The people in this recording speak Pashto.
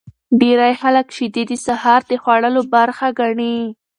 ډیر خلک شیدې د سهار د خوړلو برخه ګڼي.